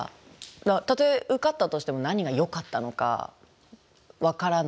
たとえ受かったとしても何がよかったのか分からないんですよね。